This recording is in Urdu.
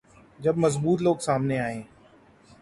جب مضبوط لوگ سامنے آئیں۔